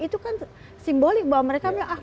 itu kan simbolik bahwa mereka bilang ah